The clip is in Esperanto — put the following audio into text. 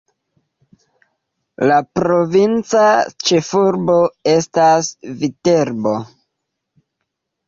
La provinca ĉefurbo estas Viterbo.